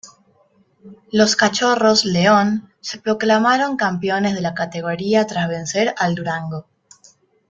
Los Cachorros León se proclamaron campeones de la categoría tras vencer al Durango.